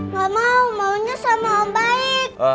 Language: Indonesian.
gak mau maunya sama baik